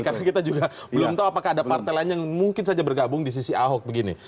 karena kita juga belum tahu apakah ada partai lain yang mungkin saja bergabung di sisi ahok begini